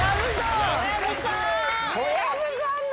小籔さんだ。